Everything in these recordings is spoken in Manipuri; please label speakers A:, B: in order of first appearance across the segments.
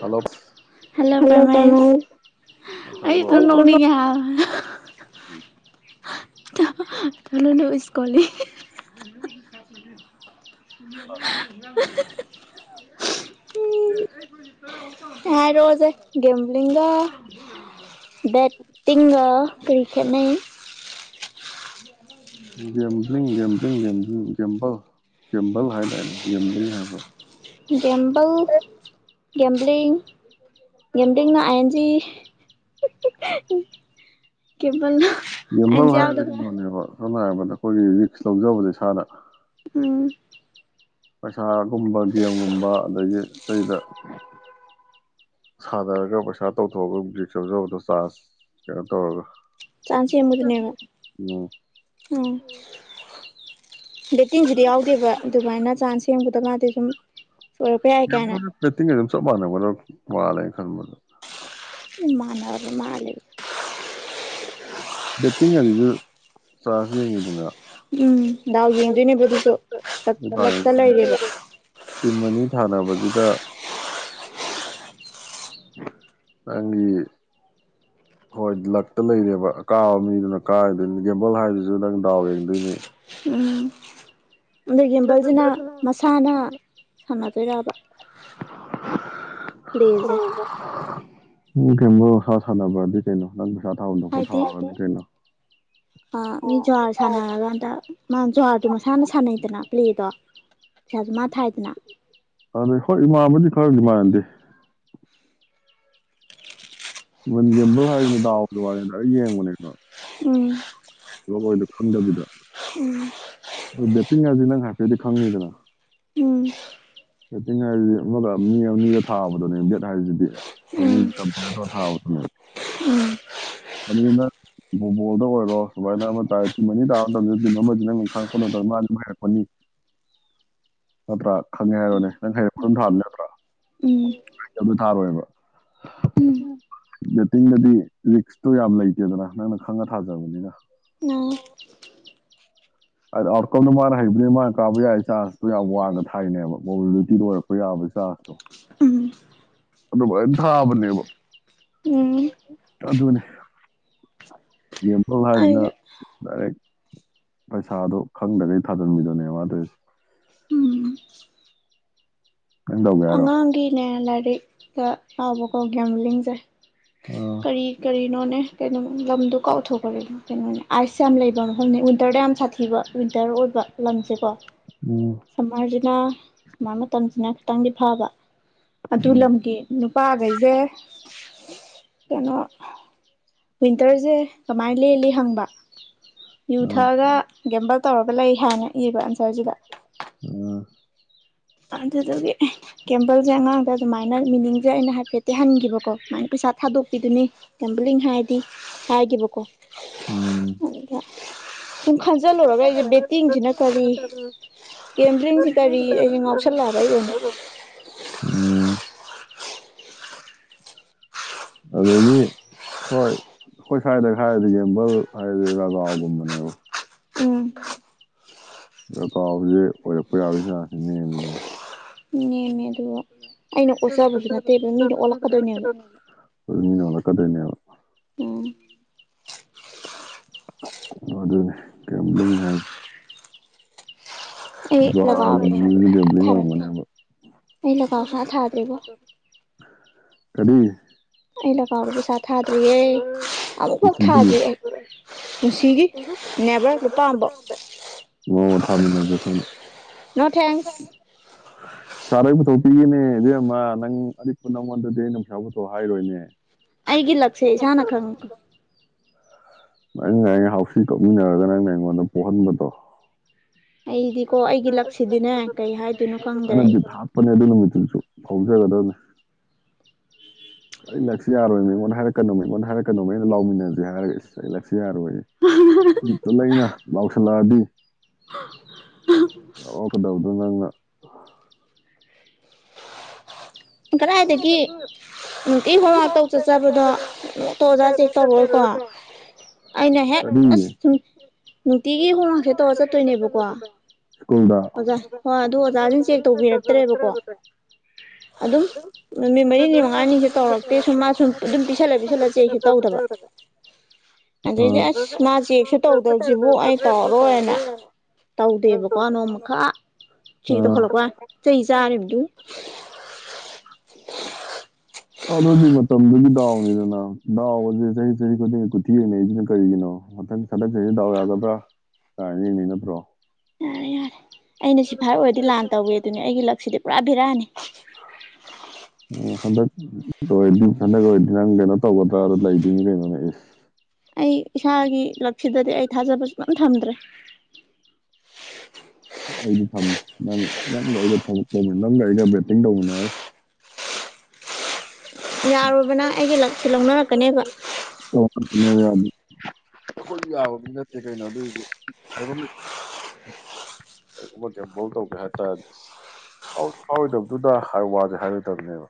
A: ꯍꯜꯂꯣ ꯀꯃꯜ ꯎꯝ
B: ꯊꯅꯅ ꯁ꯭ꯀꯨꯜ [unintelligible] ꯍꯥꯏꯔꯛꯑꯣꯁꯦ ꯒꯦꯝ꯭ꯂꯤꯡꯒ ꯕꯦꯠ ꯇꯤꯡꯒ ꯀꯔꯤ ꯈꯦꯠꯅꯩ
A: gambling gambling gambling gamble gamble ꯍꯥꯏꯗꯥꯏꯅꯦ ꯒꯦꯝꯕ꯭ꯂꯤꯡ ꯍꯥꯏꯕ꯭ꯔꯣ
B: ꯦꯝꯕꯜ ꯦꯝꯂꯤꯡ ꯦꯝꯂꯤꯡꯅ ꯑꯥꯏ ꯑꯦꯟꯖꯤ ꯕꯜ
A: ꯃ ꯃꯍꯣꯅꯤꯕ ꯁꯝꯅ ꯍꯥꯏꯔꯕꯗ ꯑꯩꯈꯣꯏꯒꯤ ꯔꯤꯛꯁ ꯂꯧꯖꯕꯗ ꯏꯁꯥꯗ
B: ꯎꯝ
A: ꯄꯩꯁꯥꯒꯨꯝꯕ ꯒꯦꯝꯒꯨꯝꯕ ꯑꯗꯒꯤ ꯑꯇꯩꯗ ꯁꯥꯗꯔꯒ ꯄꯩꯁꯥ ꯇꯧꯊꯣꯛꯑꯒ ꯕ꯭ꯔꯔꯤꯦꯛ ꯌꯥꯧꯖꯕꯗꯣ ꯆꯥꯔꯖ ꯀꯩꯅꯣ ꯇꯧꯔꯒ
B: ꯆꯥꯟꯁꯤꯃꯗꯅꯦꯕ ꯎꯝ ꯗꯦꯇꯤꯡꯁꯤꯗꯤ ꯌꯥꯎꯗꯦꯕ ꯑꯗꯨꯃꯥꯏꯅ ꯆꯥꯅꯁꯦꯡꯕꯗ ꯃꯥꯗꯤ ꯁꯨꯝ ꯁꯣꯏꯔꯛꯄ ꯌꯥꯏ ꯀꯥꯏꯅ
A: ꯋꯥꯔꯔ
B: ꯏꯃꯥꯟꯔ ꯃꯥ ꯂꯩꯒ
A: ꯕꯦꯠꯇꯤꯡꯒꯗꯤꯁꯨ ꯆꯥꯔꯁꯨ ꯌꯦꯡꯉꯤꯗꯅ
B: ꯎꯝ ꯗꯥꯎ ꯌꯦꯡꯗꯣꯏꯅꯦꯕ ꯑꯗꯨꯁꯨꯂꯛꯇ ꯂꯩꯔꯦꯕ
A: ꯇꯤꯝ ꯑꯅꯤ ꯊꯥꯅꯕꯁꯤꯗ ꯅꯪꯒꯤ ꯍꯣꯏ ꯂꯛꯇ ꯂꯩꯔꯦꯕ ꯀꯥꯕ ꯃꯤꯗꯨꯅ ꯀꯥꯔꯗꯣꯏꯅꯤ ꯒꯦꯝꯕꯜ ꯍꯥꯏꯔꯤꯁꯨ ꯅꯪ ꯗꯥꯎ ꯌꯦꯡꯗꯣꯏꯅꯦ
B: ꯑꯗ ꯌꯦꯕꯜꯁꯤꯅ ꯃꯁꯥꯅ ꯁꯥꯟꯅꯗꯣꯏꯔꯕ
A: ꯍꯒ ꯎ ꯀ ꯁꯥ ꯁꯥꯟꯅꯕꯔꯗꯤ ꯀꯩꯅꯣ ꯅꯪ ꯀꯥ ꯊꯥ ꯍꯗ ꯀꯣ ꯊꯥꯅ
B: ꯑ ꯃꯤ ꯖꯋꯥꯔ ꯁꯅ ꯀꯗ ꯃꯥ ꯖꯨꯍꯥꯔꯗꯨꯣ ꯃꯁꯥꯅ ꯁꯥꯟꯅꯩꯗꯅ ꯄ꯭ꯂꯦꯗꯣ ꯄꯩꯁꯥꯁꯨ ꯃꯥ ꯊꯥꯏꯗꯅ
A: ꯑꯗꯩ ꯍꯣꯏ ꯏꯃꯥꯕꯨꯗꯤ ꯈꯔꯗꯤ ꯃꯥꯟꯗꯦ ꯟꯒꯦꯝꯕꯜ ꯍꯥꯏꯗꯨꯅ ꯇꯗꯥꯎꯗ ꯋꯥꯅꯤꯅ ꯌꯦꯡꯕꯅꯦꯅꯣ ꯂꯗ ꯈꯟꯗꯕꯤꯗ ꯑꯗꯨ ꯕꯦꯠꯇꯤꯡ ꯍꯥꯏꯁꯤ ꯅꯪ ꯍꯥꯏꯐꯦꯠꯗꯤ ꯈꯪꯅꯤꯤꯗꯅ ꯕꯦꯠꯇꯤꯡ ꯍꯥꯏꯔꯤꯁꯤꯗꯤ ꯑꯃꯒ ꯃꯤ ꯑꯅꯤꯒ ꯊꯥꯕꯗꯨꯅꯦ ꯕꯦꯠ ꯍꯥꯏꯔꯤꯁꯤꯗꯤ ꯑ ꯀꯝꯄꯤꯌꯔ ꯇꯧꯔ ꯊꯥꯕꯗꯨꯅꯦ ꯑꯗꯨꯅꯪ ꯐꯨꯠꯕꯣꯜꯗ ꯑꯣꯏꯔꯣ ꯁꯨꯃꯥꯏꯅ ꯑꯃ ꯇꯥꯔꯦ ꯇꯤꯝ ꯑꯅꯤ ꯇꯥꯕ ꯃꯇꯝꯗ ꯇꯤꯝ ꯑꯃ ꯅꯪ ꯈꯪ ꯀꯩꯅꯣꯗꯔꯃ ꯑꯗꯨꯉꯥꯏꯔꯛꯄꯅꯤ ꯅꯠꯇ꯭ꯔꯥ ꯈꯪꯉꯦ ꯍꯥꯏꯔꯣꯅꯦ ꯅꯪ ꯍꯌꯦꯡ ꯑꯗꯨꯝ ꯊꯥꯕꯅꯦ ꯅꯠꯇ꯭ꯔꯥ ꯑꯗꯨ ꯊꯥꯔꯣꯏꯕ ꯦꯠꯇꯤꯡꯗꯗꯤ ꯔꯤꯛꯁꯇꯣ ꯌꯥꯝ ꯂꯩꯇꯦꯗꯅ ꯅꯪꯅ ꯈꯪꯉ ꯊꯥꯖꯕꯅꯤꯅ ꯑꯥꯎꯠꯀꯝꯗꯣ ꯃꯥꯅ ꯍꯩꯕꯅꯤ ꯃꯥꯅ ꯀꯥꯕ ꯌꯥꯏ ꯆꯥꯖꯇꯣ ꯌꯥꯝ ꯋꯥꯡꯅ ꯊꯥꯏꯅꯦꯕ ꯃꯣꯕꯤꯕꯤꯂꯤꯇꯤꯗ ꯑꯣꯏꯔꯛꯄ ꯌꯥꯕꯒꯤ ꯆꯥꯖꯇꯣ ꯑꯗꯨꯃꯥꯏꯅ ꯊꯥꯕꯅꯦꯕ ꯑꯗꯨꯅꯤ ꯑꯦꯛꯖꯦꯝꯄꯜ ꯍꯥꯏꯗꯅ ꯗꯥꯏꯔꯦꯛ ꯄꯩꯁꯥꯗꯣ ꯈꯪꯗ꯭ꯔꯒꯩ ꯊꯥꯖꯤꯟꯕꯤꯗꯨꯅꯦ ꯃꯥꯗꯣꯏꯁꯦ ꯀꯟꯒꯦ ꯌꯥꯔ
B: ꯉꯒꯤꯅꯦꯔꯗꯤ ꯇ ꯑꯕ ꯀ ꯭ꯝ ꯂꯡꯁ ꯀꯔꯤ ꯀꯔꯤꯅꯣꯅꯦ ꯀꯩꯅꯣ ꯂꯝꯗꯣ ꯀꯥꯎꯎꯊꯣꯛꯈ꯭ꯔꯦ ꯀꯩꯅꯣꯅꯤ ꯑꯥꯏꯁ ꯌꯥꯝ ꯂꯩꯕ ꯃꯐꯝꯅꯤ ꯋꯤꯟꯇꯔꯗ ꯌꯥꯝ ꯁꯥꯊꯤꯕ ꯋꯤꯟꯇꯔ ꯑꯣꯏꯕ ꯂꯝꯁꯦꯀꯣ ꯁꯝꯃꯔꯁꯤꯅ ꯁꯝꯃꯔ ꯃꯇꯝꯁꯤꯅ ꯈꯤꯇꯪꯗꯤ ꯐꯥꯕ ꯑꯗꯨꯗ ꯂꯪꯒ ꯅꯨꯄꯥꯈꯩꯁꯦ ꯀꯩꯅꯣ ꯋꯤꯟꯇꯔꯁꯦ ꯀꯃꯥꯏꯅ ꯂꯦꯜꯂꯤ ꯍꯪꯕ ꯌꯨ ꯊꯛꯑꯒ ꯒꯦꯝꯕꯜ ꯇꯧꯔꯒ ꯂꯩ ꯍꯥꯏꯅ ꯏꯕ ꯑꯟꯁꯔꯁꯤꯗ
A: ꯑꯝ
B: ꯇꯖ ꯑꯗꯨꯦ ꯀꯦꯝꯄꯜꯁꯦ ꯑꯉꯥꯡꯗ ꯑꯗꯨꯃꯥꯏꯅ ꯅ ꯃꯤꯅꯤꯡꯁꯦ ꯑꯩꯅ ꯍꯥꯏꯐꯦꯠꯇꯤ ꯍꯟꯈꯤꯕꯀꯣ ꯑꯗꯨꯥꯏꯅ ꯄꯩꯁꯥ ꯊꯥꯗꯣꯛꯄꯤꯗꯨꯅꯤ ꯇꯦꯝꯕꯂꯤꯡ ꯍꯥꯏꯔꯗꯤ ꯍꯥꯏꯈꯤꯕꯀꯣ
A: ꯎꯝ
B: ꯁꯨꯝ ꯈꯟꯖꯤꯜꯂꯨꯔꯒ ꯑꯩꯁꯦ ꯕꯦꯠꯇꯤꯡꯁꯤꯅ ꯀꯔꯤ ꯒꯦꯝꯕ꯭ꯂꯤꯡꯁꯤ ꯀꯔꯤ ꯑꯩꯁꯦ ꯉ
A: ꯎꯝ ꯑꯗꯒꯤ ꯍꯣꯏ ꯑꯩꯈꯣꯏ ꯁ꯭ꯋꯥꯏꯗ ꯍꯥꯏꯔꯗꯤ ꯌꯦꯡꯕꯜ ꯍꯥꯏꯔꯗꯤ ꯔꯒꯥꯎꯒꯨꯝꯕꯅꯦꯕ ꯑ ꯀꯥꯎꯁꯦ ꯑꯣꯏꯔꯛꯄ ꯌꯥꯔꯣꯏꯁꯤꯁꯤ ꯅꯦꯝꯃꯤꯗꯅ ꯔ [unintelligible]
B: ꯍ
A: ꯑꯗꯨ ꯑꯗꯨꯅꯦ ꯀ
B: ꯑꯩ ꯂꯒꯥꯎꯒꯤ ꯊꯥꯔꯀꯦ ꯑꯩ ꯂꯒꯥꯎꯁꯤ ꯊꯥꯗ꯭ꯣꯏꯔꯤꯕꯣ
A: ꯀꯔꯤ
B: ꯑꯩ ꯂꯀꯥꯎꯕ ꯄꯩꯁꯥ ꯊꯥꯗ꯭ꯔꯤꯌꯦꯦ ꯑꯃꯨꯛꯐꯥꯎ ꯊꯥꯗ꯭ꯔꯤ ꯑꯩ ꯄꯨꯟꯁꯤꯒꯤ ꯅꯦꯕꯔ ꯂꯨꯄꯥꯝꯐꯧ
A: ꯊꯥꯃꯤꯟꯅꯕꯁꯦ ꯑꯩꯈꯣꯏꯅ ꯁꯔꯥ ꯄꯊ ꯁꯤꯒꯤꯅꯦ ꯏꯃ ꯅꯪ ꯑꯅꯤꯛꯄ ꯅꯉꯣꯟꯗꯨꯗꯤ ꯑꯩ ꯅꯨꯡꯁꯥꯕꯇꯣ ꯍꯥꯏꯔꯣꯏꯅꯦ
B: ꯑꯩꯒꯤ ꯂꯛꯁꯦ ꯆꯅ ꯈꯪꯉ
A: ꯅꯪ ꯉ ꯍꯥꯎꯁꯤ ꯇꯧꯃꯤꯟꯅꯔꯒ ꯅꯪꯅ ꯑꯩꯉꯣꯟꯗ ꯄꯣꯛꯍꯟꯕꯗꯣ
B: ꯑꯩꯗꯤꯀꯣ ꯑꯩꯒꯤ ꯂꯛꯁꯤꯗꯤꯅꯦ ꯀꯩ ꯍꯥꯏꯗꯣꯏꯅꯣ ꯈꯪꯗ꯭ꯔꯦ ꯑꯩ
A: ꯐꯥꯎꯖꯒꯗꯕꯅꯤ ꯑꯩ ꯂꯛꯁꯤ ꯌꯥꯔꯣꯏꯅꯦ ꯑꯩꯉꯣꯟꯗ ꯍꯥꯏꯔꯛꯀꯅꯨ ꯑꯩꯉꯣꯟꯗ ꯍꯥꯏꯔꯛꯀꯅꯨꯃ ꯑꯩꯅ ꯂꯥꯎꯃꯤꯟꯅꯁꯦ ꯍꯥꯏꯔꯒ ꯑꯩꯁ ꯑꯩ ꯂꯛꯁꯤ ꯌꯥꯔꯣꯏꯛꯇ ꯂꯩꯅ ꯂꯥꯎ ꯈꯥꯕꯤ ꯑꯣ ꯀꯗꯥꯧꯗ ꯑꯗꯨꯅꯅ
B: ꯀꯗꯥꯏꯗꯒꯤ ꯅꯨꯡꯇꯤꯒꯤ ꯍꯣꯝꯋꯔ ꯇꯧ ꯆꯠꯆꯕꯗꯣꯇꯣ ꯑꯣꯖꯥ ꯆꯦꯛ ꯇꯧꯔꯣꯏꯀꯣ ꯑꯩꯅ ꯍꯦꯛ ꯑꯁꯨꯝ ꯅꯨꯡꯇꯤꯒꯤ ꯍꯣꯝꯋꯔꯛꯁꯦ ꯇꯧꯔ ꯆꯠꯇꯣꯏꯅꯦꯕꯀꯣ ꯑꯣꯖꯥ ꯍꯣꯏ ꯑꯗꯨ ꯑꯣꯖꯥꯁꯤꯅ ꯆꯦꯛ ꯇꯧꯕꯤꯔꯛꯇ꯭ꯔꯦꯕꯀꯣ ꯑꯂꯣ ꯅꯨꯃꯤꯠ ꯃꯔꯤꯅꯤ ꯃꯉꯥꯅꯤꯁꯨ ꯇꯧꯔꯛꯇꯦ ꯁꯨꯝ ꯃꯥ ꯁꯨꯝ ꯑꯗꯨꯝ ꯄꯤꯁꯜꯂ ꯄꯤꯁꯜꯂ ꯆꯦꯛꯁꯨ ꯇꯧꯗꯕ ꯑꯗꯩꯗꯤ ꯑꯁ ꯃꯥ ꯆꯦꯛꯁꯨ ꯇꯧꯗꯧꯁꯤꯕꯨ ꯑꯩ ꯇꯧꯔꯔꯣꯏꯅ ꯇꯧꯗꯦꯕꯀꯣ ꯅꯣꯡꯃ ꯈꯥ ꯁꯤ ꯇꯧꯈꯠꯂꯛꯄ ꯆꯩ ꯆꯥꯔꯤꯕꯗꯨ
A: ꯑꯗꯨꯏꯗꯤ ꯃꯇꯝꯗꯨꯗꯤ ꯗꯥꯎꯅꯤꯗꯅ ꯗꯥꯎꯕꯁꯦ ꯆꯍꯤ ꯆꯍꯤ ꯈꯨꯗꯤꯡꯒꯤ ꯀꯨꯊꯤ ꯌꯦꯡꯅꯩꯁꯤꯅ ꯀꯔꯤꯒꯤꯅꯣ ꯃꯊꯪ ꯁꯊꯛ ꯆꯍꯤꯁꯤ ꯗꯥꯎ ꯌꯥꯒꯗ꯭ꯔꯥ ꯀꯃꯥꯏꯅ ꯌꯦꯡꯅꯩ ꯅꯠꯇ꯭ꯔꯣ
B: ꯌꯥꯔꯦ ꯌꯥꯔꯦ ꯑꯩꯅ ꯁꯤꯐꯥꯏꯔ ꯑꯣꯏꯔꯗꯤ ꯂꯥꯟ ꯇꯧꯋꯦ ꯑꯗꯨꯅꯦ ꯑꯩꯒꯤ ꯂꯛꯁꯤꯗꯤ ꯄꯨꯔꯥ ꯕꯤꯔꯥꯑꯅꯤ
A: ꯑꯣꯏꯔꯗꯤ ꯍꯟꯗ ꯑꯣꯏꯔꯗꯤ ꯅꯪ ꯀꯩꯅꯣ ꯇꯧꯒꯗꯥ ꯂꯩꯗꯣꯏꯅꯤ ꯀꯩꯅꯣꯅꯦ ꯑꯦ
B: ꯑꯩ ꯏꯁꯥꯒꯤ ꯂꯛꯁꯤꯗꯗꯤ ꯑꯩ ꯊꯥꯖꯕ ꯁꯝ ꯊꯝꯗ꯭ꯔꯦ
A: ꯑꯩꯗꯤ ꯊꯝꯃꯤ ꯅꯪ ꯅꯪꯒꯔꯤꯒꯧ ꯅꯪꯒꯔꯤꯒ ꯕꯦꯠꯇꯤꯡ ꯇꯧꯃꯤꯟꯅꯔꯣꯏ
B: ꯌꯥꯔꯨꯕꯅ ꯑꯩꯒꯤ ꯂꯛꯁꯦ ꯂꯧꯅꯔꯛꯀꯅꯦꯕ
A: ꯕ ꯑꯩꯈꯣꯏꯁꯨ ꯌꯥꯕ ꯃꯤ ꯅꯠꯇꯦ ꯀꯩꯅꯣ ꯑꯗꯨꯒꯤꯗꯤ ꯍꯥꯏꯕ ꯀꯔꯤꯒꯨꯝꯕ ꯀꯦꯝꯣꯜ ꯇꯧꯒꯦ ꯍꯥꯏ ꯇꯥꯔꯗꯤ ꯐꯥꯎꯔꯣꯏꯗꯕꯗꯨꯗ ꯋꯥꯁꯦ ꯍꯥꯏꯔꯗꯕꯅꯦꯕ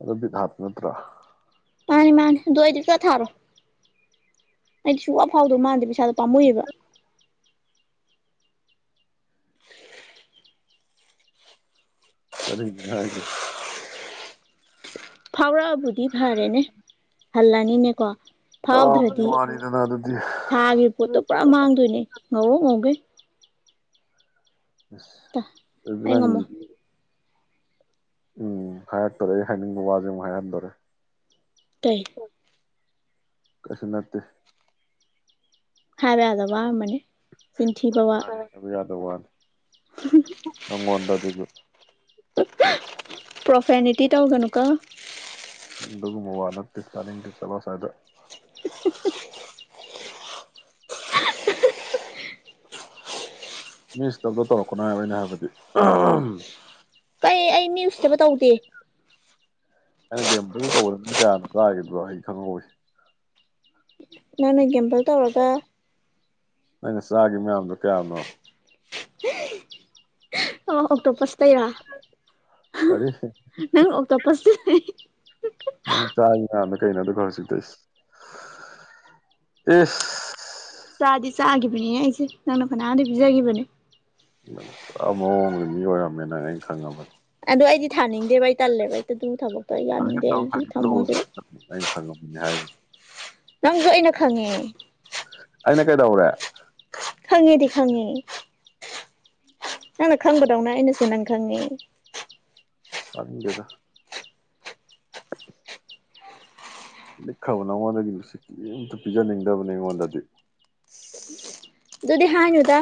A: ꯑꯗꯕꯤꯠ ꯍꯥꯞꯄ ꯅꯠꯇ꯭ꯔꯥ
B: ꯃꯥꯅꯤ ꯑꯗꯣ ꯑꯩꯗꯤ ꯄꯨꯔ ꯊꯥꯔꯣ ꯑꯩꯗꯤ ꯁꯨꯡ ꯑꯐꯥꯎꯗꯧ ꯃꯥꯗꯦ ꯄꯩꯁꯥꯗꯣ ꯄꯥꯝꯃꯨꯑꯕ
A: ꯀꯔꯤ ꯍꯥꯏꯖ
B: ꯐꯥꯎꯔꯛꯑꯕꯨꯗꯤ ꯐꯔꯦꯅꯦ ꯍꯜꯂꯅꯤꯅꯦꯀꯣ ꯐꯥꯎꯗ꯭ꯔꯗꯤ ꯊꯥꯒꯤ ꯄꯣꯠꯇꯣ ꯄꯨꯔꯥ ꯃꯥꯡꯗꯣꯏꯅꯦ ꯉꯧꯔꯣ ꯉꯧꯒꯦ
A: ꯑ ꯑꯗꯨꯅꯤ ꯎꯝ ꯍꯥꯏꯔꯛꯇꯣꯔꯦ ꯑꯩ ꯍꯥꯏꯅꯤꯡꯕ ꯋꯥꯁꯦ ꯑꯃꯨꯛ ꯍꯥꯏꯍꯟꯗꯣꯔꯦ
B: ꯇ
A: ꯀꯁ ꯅꯠꯇ
B: ꯍꯗꯦ ꯑꯗ ꯋꯥ ꯃꯅꯤ ꯆꯤꯟꯊꯤꯕꯥ
A: ꯗ ꯋꯥ ꯅꯝꯕꯗ ꯑꯗꯨꯒ
B: ꯄ꯭ꯔꯣꯐꯦꯅꯤꯇꯤ ꯇꯧꯒꯅꯨꯀꯣ
A: ꯒ ꯃꯅꯀꯤ ꯁꯥꯅꯤ ꯁꯂ ꯁꯗ ꯃꯤꯁꯇꯞꯗꯣ ꯇꯧꯔꯛꯀꯅ ꯍꯥꯏꯕ ꯑꯩꯅ ꯍꯥꯏꯕꯗꯤ
B: ꯠꯇꯕ ꯇꯧꯗꯦ
A: ꯑꯩꯅ ꯒꯦꯝ ꯇꯧ ꯀꯌꯥꯅ ꯀꯥꯏꯒꯗꯣ ꯑꯩ ꯈꯪꯍꯧꯏ
B: ꯅꯪꯅ ꯦꯝꯇ ꯇꯧꯔꯒ
A: ꯑꯩꯅ ꯆꯥꯈꯤꯕ ꯃꯌꯥꯝꯗꯣ ꯀꯌꯥꯅꯣ
B: ꯑꯣ ꯑꯣꯛꯇꯣꯄꯁ ꯇꯩꯔ ꯅꯪ ꯑꯣꯛꯇꯣꯄꯁ ꯍ
A: ꯃꯣꯏ ꯆꯥꯃꯦ ꯀꯩꯩꯅ ꯑꯗꯨ ꯈꯔ ꯁꯤꯗ ꯑꯦ
B: ꯆꯥꯗꯤ ꯆꯥꯈꯤꯕꯅꯤ ꯑꯩꯁꯦ ꯅꯪꯅ ꯐꯅꯥꯅꯗꯤ ꯄꯤꯖꯈꯤꯕꯅꯦ
A: ꯃꯤ ꯑꯣꯏꯔꯝꯃꯦꯅꯅ ꯑꯩꯅ ꯈꯪꯉꯕꯅꯦ
B: ꯑꯗꯣ ꯑꯩꯗꯤ ꯊꯥꯅꯤꯡꯗꯦꯕ ꯑꯩ ꯇꯜꯂꯦꯕ ꯑꯩꯇ ꯑꯗꯨꯝ ꯊꯕꯛ
A: ꯆꯪ ꯈꯪ ꯈꯒꯍꯖ
B: ꯅꯪꯗ ꯑꯩꯅ ꯈꯪꯉꯤ
A: ꯑꯩꯅ ꯀꯩꯗꯧꯔꯦ
B: ꯉꯦꯥꯉꯦ ꯅꯪꯅ ꯈꯪꯕꯗꯧꯅꯦ ꯑꯩꯅꯁꯤꯦ ꯅꯪ ꯈꯪꯉꯤ
A: ꯇꯗꯦꯗ ꯈꯕ ꯅꯉꯣꯟꯗꯒꯤꯁ ꯀꯔꯤꯝꯇ ꯄꯤꯖꯅꯤꯡꯗꯕꯅꯤ ꯑꯩꯉꯣꯟꯗꯗꯤ
B: ꯑꯗꯨꯗꯤ ꯍꯥꯉꯨꯗ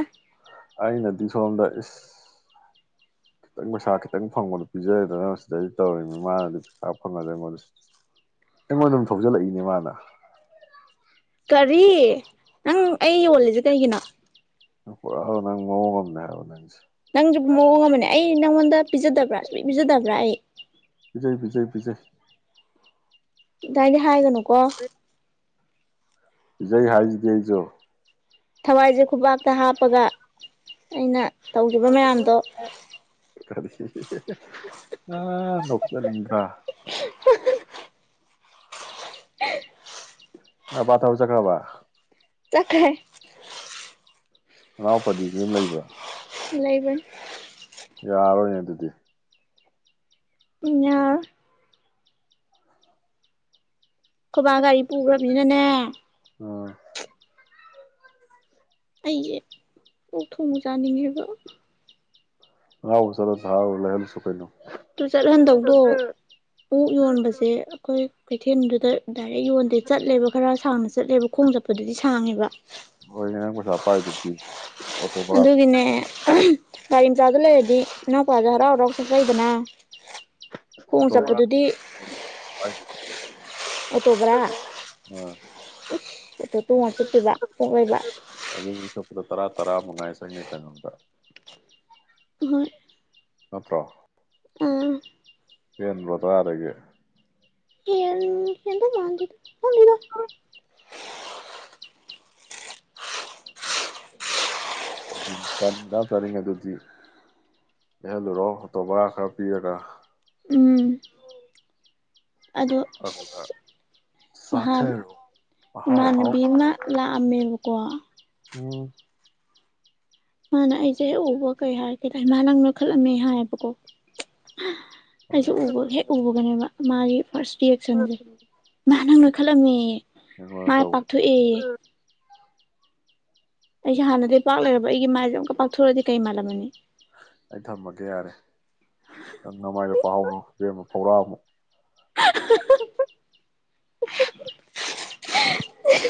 A: ꯑꯗꯨ ꯁꯣꯝꯗ ꯏꯁ ꯈꯤꯇꯪ ꯄꯩꯁꯥ ꯈꯤꯇꯪ ꯐꯪꯕꯗ ꯄꯤꯖꯔꯦꯗꯅ ꯁꯤꯗ ꯇꯧꯅꯤ ꯃꯥꯅꯗꯤ ꯄꯩꯁꯥ ꯐꯪꯉꯗ꯭ꯔ ꯑꯩꯉꯣꯟꯗ ꯑꯩꯉꯣꯟꯗ ꯑꯗꯨꯝ ꯊꯣꯛꯧꯖꯤꯜꯂꯛꯏꯅꯦ ꯃꯥꯅ
B: ꯀꯔꯤ ꯅꯪ ꯑꯩ ꯌꯣꯜꯂꯤꯁꯦ ꯀꯩꯒꯤꯅꯣ
A: ꯄꯨ ꯅꯪ ꯃꯣꯔꯁꯤꯦ
B: ꯅꯪꯁꯨ ꯃꯑꯣꯡ ꯑꯃꯅꯦ ꯑꯩ ꯅꯪꯉꯣꯟꯗ ꯄꯤꯖꯗꯕ꯭ꯔꯥ ꯁꯨꯡꯣꯏ ꯄꯤꯖꯗꯕ꯭ꯔꯥ ꯑꯩ
A: ꯖꯣꯏ ꯐꯕꯤꯖꯣꯏ ꯕꯤꯖꯣꯏ
B: ꯑꯗꯨꯗꯥꯏꯗꯤ ꯍꯥꯏꯒꯅꯨꯀꯣ
A: ꯏꯖꯩ ꯍꯥꯏꯁꯤꯒꯦ ꯑꯩꯁꯨꯣ
B: ꯊꯋꯥꯏꯁꯦ ꯈꯨꯄꯥꯛꯥꯛꯇ ꯍꯥꯞꯄꯒ ꯑꯩꯅ ꯇꯧꯈꯤꯕ ꯃꯌꯥꯝꯗꯣ
A: ꯈꯔꯗꯤꯁꯤ ꯑ ꯅꯣꯛ ꯂꯤꯀ
B: ꯎ
A: ꯑ ꯄꯇꯔ ꯆ ꯀ꯭ꯔꯕ
B: ꯆꯥꯛꯈꯥꯏ
A: ꯑꯥꯎ ꯄꯗꯤ ꯌꯨꯝ ꯂꯩꯕ꯭ꯔꯥ
B: ꯂꯩꯕꯅꯤ
A: ꯌꯥꯔꯣ ꯌꯦ ꯑꯗꯨꯗꯤ
B: ꯏ ꯈꯨꯃꯥꯒꯒꯥꯔꯤ ꯄꯨꯒ꯭ꯔꯥꯕꯤꯅꯅꯦ
A: ꯑꯣꯝ
B: ꯑꯩꯁꯦ ꯂꯣꯛ ꯊꯣꯡꯉꯕ ꯆꯥꯅꯤꯡꯉꯦꯕ
A: ꯍꯥꯎ ꯆꯣ ꯍꯥꯎ ꯂꯍꯦꯜꯁꯨ ꯀꯩꯅ
B: ꯑꯗꯨ ꯆꯠꯍꯟꯗꯧꯗꯣ ꯑꯣꯛ ꯌꯣꯟꯕꯁꯦ ꯑꯩꯈꯣꯏ ꯀꯩꯊꯦꯜꯗꯨꯗ ꯗꯥꯏꯔꯦꯛ ꯌꯣꯟꯗꯦ ꯆꯠꯂꯦꯕ ꯈꯔ ꯁꯥꯡꯅ ꯆꯠꯂꯦꯕ ꯈꯣꯡ ꯆꯠꯄꯗꯨꯗꯤ ꯁꯥꯡꯉꯦꯕ
A: ꯑꯩ ꯀꯁ ꯍꯥꯄꯗꯨꯗꯤ ꯋꯥꯠꯇꯕ
B: ꯒꯥꯔꯤ ꯃꯆꯥꯗ ꯂꯩꯔꯗꯤ ꯏꯅꯥꯎ ꯄꯋꯥꯁꯦ ꯍꯔꯥꯎ ꯍꯔꯥꯎ ꯆꯠꯂꯩꯗꯅ ꯈꯣꯡ ꯆꯠꯄꯗꯨꯗꯤ ꯑꯣꯇꯣꯕ꯭ꯔ ꯣ ꯇꯣꯡꯉ ꯆꯠꯄꯤꯕ ꯄꯣꯛꯑꯣꯕ
A: ꯆꯄꯗ ꯇꯔꯥ ꯇꯔꯥ ꯃꯨꯉꯥꯏ ꯆꯪꯅꯤ ꯆꯪꯗ ꯅꯠꯇ꯭ꯔꯣ ꯍꯦꯟꯕ꯭ꯔꯣ ꯇꯔꯥꯗꯒꯤ
B: ꯋꯥꯥꯡꯗꯗ
A: ꯇꯞ ꯆꯥꯅꯤꯡꯉꯦ ꯑꯗꯨꯗꯤ ꯂꯩꯍꯜꯂꯨꯔꯣ ꯍꯣꯇꯣ ꯕꯣꯔꯥ ꯈꯔ ꯄꯤꯔꯒ
B: ꯑꯗꯣ ꯅꯍꯥꯟ ꯏꯃꯥꯟꯅꯕꯤ ꯑꯃ ꯂꯥꯛꯑꯝꯃꯦꯕꯀꯣ ꯃꯥꯅ ꯑꯩꯁꯦ ꯍꯦꯛ ꯎꯕ ꯀꯩ ꯍꯥꯏꯔꯒꯦꯗ ꯏꯃ ꯅꯪ ꯅꯈꯠꯂꯝꯃꯦ ꯍꯥꯏꯌꯦꯕꯀꯣ ꯑꯩꯁꯨ ꯎꯕ ꯍꯦꯛ ꯎꯕꯒꯅꯦꯕ ꯃꯥꯒꯤ ꯐꯁ ꯔꯤꯌꯦꯛꯁꯟꯁꯦ ꯃꯥ ꯅꯪ ꯅꯣꯏꯈꯠꯂꯝꯃꯦ ꯃꯥꯏ ꯄꯥꯛꯊꯣꯛꯑꯦ ꯑꯩ ꯁ ꯍꯥꯟ ꯑꯗꯩ ꯄꯥꯛ ꯂꯩꯔꯕ ꯑꯩꯒꯤ ꯃꯥꯏꯁꯦ ꯑꯃꯛꯀ ꯄꯥꯛꯊꯣꯔꯛꯗꯤ ꯀꯩꯃꯥꯂ ꯑꯃꯅꯤꯅꯤ
A: ꯑꯩ ꯊꯝꯃꯒꯦ ꯌꯥꯔꯦ ꯅꯪ ꯉꯃꯥꯏꯕ ꯄꯥꯎꯦꯝꯃ ꯍꯧꯧꯔꯝ [inaudible]
B: ꯍ